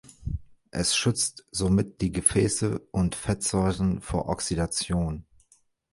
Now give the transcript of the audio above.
Es schützt somit die Gefäße und Fettsäuren vor Oxidation.